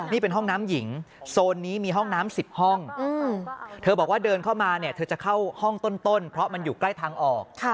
นี่เป็นห้องน้ำหญิงโซนนี้มีห้องน้ำ๑๐ห้องเธอบอกว่าเดินเข้ามาเนี่ยเธอจะเข้าห้องต้นเพราะมันอยู่ใกล้ทางออก